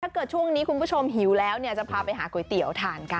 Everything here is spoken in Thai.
ช่วงนี้คุณผู้ชมหิวแล้วเนี่ยจะพาไปหาก๋วยเตี๋ยวทานกัน